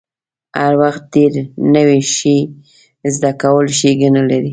هر وخت ډیر نوی شی زده کول ښېګڼه لري.